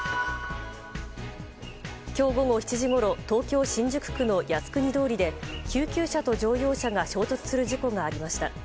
今日午後７時ごろ東京・新宿区の靖国通りで救急車と乗用車が衝突する事故がありました。